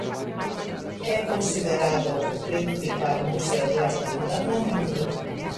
É considerado o principal museo de arte moderna no mundo.